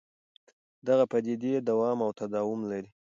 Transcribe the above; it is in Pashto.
دغه پدیدې دوام او تداوم لري.